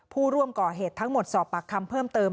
ผู้ร่วมก่อเหตุทั้งหมดสอบปากคำเพิ่มเติม